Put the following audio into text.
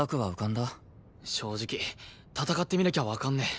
正直戦ってみなきゃわかんねえ。